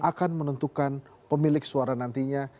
akan menentukan pemilik suara nantinya